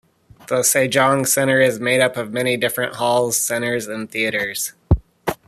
The Sejong Center is made up of many different halls, centers and theaters.